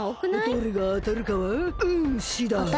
どれがあたるかはうんしだい！